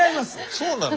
そうなの？